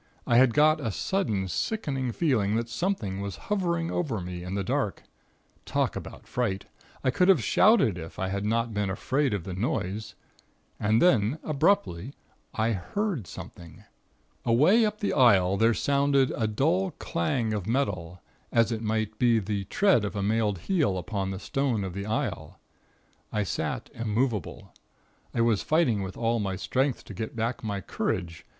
I had got a sudden sickening feeling that something was hovering over me in the dark. Talk about fright! I could have shouted if I had not been afraid of the noise.... And then, abruptly, I heard something. Away up the aisle, there sounded a dull clang of metal, as it might be the tread of a mailed heel upon the stone of the aisle. I sat immovable. I was fighting with all my strength to get back my courage.